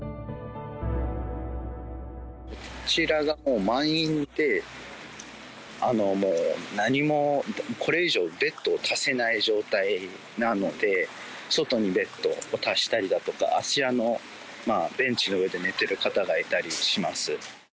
こちらがもう満員で、もう何も、これ以上ベッドを足せない状態なので、外にベッドを足したりだとか、あちらのベンチの上で寝てる方がいたりします。